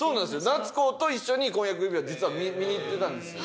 夏子と一緒に婚約指輪実は見に行ってたんですよ。